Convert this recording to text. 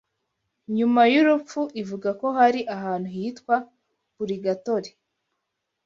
nyuma y’urupfu, ivuga ko hari ahantu hitwa Purigatori